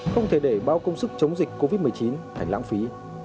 không thể để bao công sức chống dịch covid một mươi chín thành lãng phí